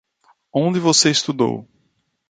Onde você estudou?